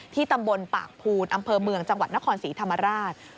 ตำบลปากภูนอำเภอเมืองจังหวัดนครศรีธรรมราช